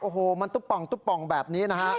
โอ้โหมันตุ๊บป่องตุ๊บป่องแบบนี้นะฮะ